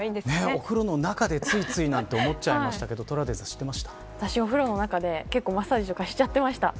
お風呂の中でついついなど思っちゃいましたけど私、お風呂の中でマッサージとかしちゃってました。